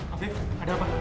afif ada apa